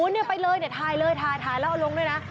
เนี่ยไปเลยเนี่ยถ่ายเลยถ่ายแล้วเอาลงด้วยนะ